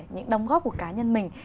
những đóng góp của cá nhân mình